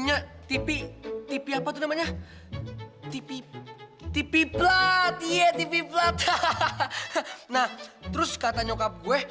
aduh apaan sih